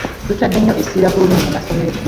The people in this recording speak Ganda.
Tutadde ennyo essira ku lulimi mu masomero.